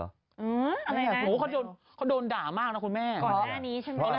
อะไรนะเขาโดนด่ามากนะคุณแม่ก่อนหน้านี้ใช่ไหม